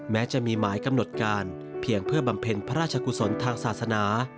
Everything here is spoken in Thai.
แม้จะมีหมายกำหนดการเพียงเพื่อบำเพ็ญพระราชกุศลทางศาสนา